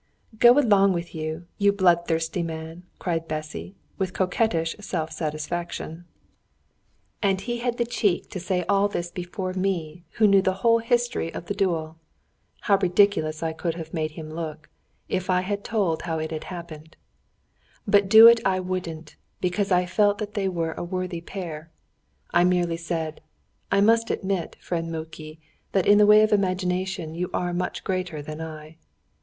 "Go along with you, you bloodthirsty man!" cried Bessy, with coquettish self satisfaction. And he had the cheek to say all this before me who knew the whole history of the duel! How ridiculous I could have made him look, if I had told how it had happened! But do it I wouldn't, because I felt that they were a worthy pair. I merely said: "I must admit, friend Muki, that in the way of imagination you are much greater than I."